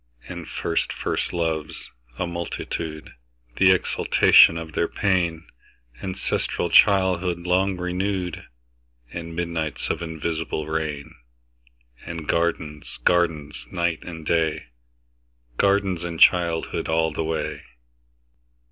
And first first loves, a multitude, The exaltation of their pain; Ancestral childhood long renewed; And midnights of invisible rain; And gardens, gardens, night and day, Gardens and childhood all the way.